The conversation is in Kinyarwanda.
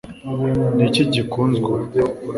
ni iki gikunzwe ubu